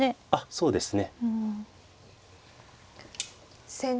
そうですね